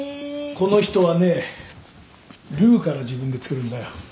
この人はねルーから自分で作るんだよ。